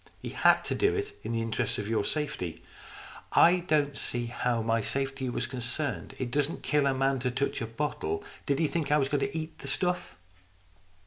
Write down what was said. He had to do it in the interests of your safety." " I don't see how my safety was concerned. It doesn't kill a man to touch a bottle. Did he think I was going to eat the stuff?